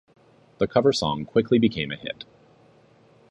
The cover song quickly became a hit.